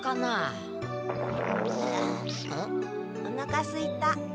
おなかすいた。